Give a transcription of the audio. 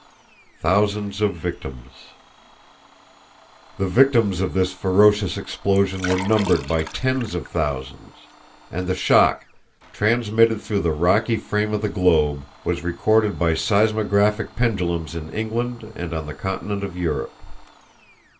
Thousands of Victims. The victims of this ferocious explosion were numbered by tens of thousands, and the shock, transmitted through the rocky frame of the globe, was recorded by seismographic pendulums in England and on the Continent of Europe.